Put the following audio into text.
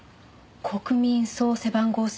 国民総背番号制？